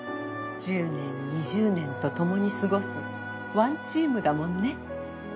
１０年２０年とともに過ごすワンチームだもんね。